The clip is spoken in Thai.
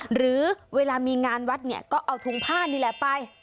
หรือเวลามีงานวัดเนี่ยก็เอาถุงผ้านี่แหละไป